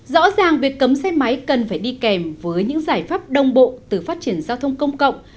rõ ràng việc cấm xe máy cần phải đi kèm với những giải pháp đồng bộ từ phát triển giao thông công cộng